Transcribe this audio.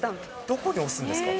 どこに押すんですか。